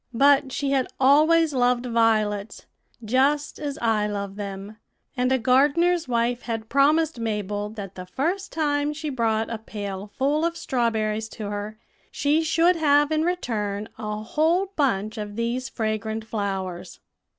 "But she had always loved violets, just as I love them; and a gardener's wife had promised Mabel that the first time she brought a pail full of strawberries to her, she should have in return a whole bunch of these fragrant flowers.